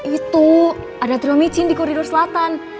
itu ada trio micin di kurirur selatan